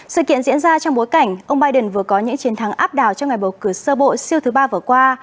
sự kiện diễn ra trong bối cảnh ông biden vừa có những chiến thắng áp đảo cho ngày bầu cử sơ bộ siêu thứ ba vừa qua